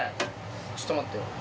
ちょっと待って。